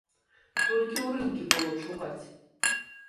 Толькі ўрыўкі было чуваць.